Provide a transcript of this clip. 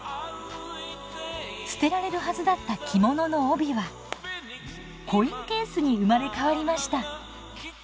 捨てられるはずだった着物の帯はコインケースに生まれ変わりました。